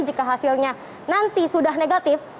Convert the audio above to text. jika hasilnya nanti sudah negatif